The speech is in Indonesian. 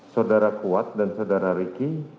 saudara kuat dan saudara ricky